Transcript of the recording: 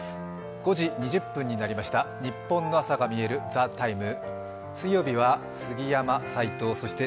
５時２０分になりました、ニッポンの朝がみえる「ＴＨＥＴＩＭＥ，」。